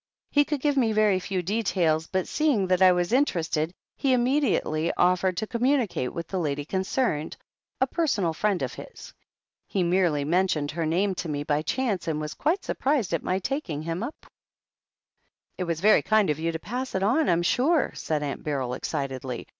He could give me" very few details, but seeing that I was iiterested, he immediately offered to communicate with the lady concerned, a personal friend of his. lie merely mentioned her name to me by chance, and waSt.guite surprised at my taking him up, like." "It was very kind of you to pass it on, Fm sure," said Aunt Beryl excitedly.